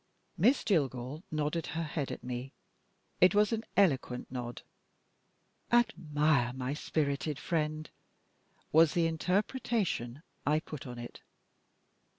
Miss Jillgall nodded her head at me. It was an eloquent nod. "Admire my spirited friend," was the interpretation I put on it.